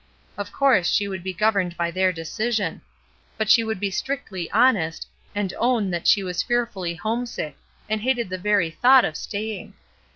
Of course she would be governed by their decision; but she would be strictly honest, and own that she was fearfully homesick, and hated the very thought of staying.